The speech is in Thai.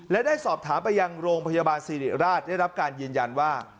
และได้สอบถามไปยังโรงพยาบาลสิริราชได้รับการยืนยันว่า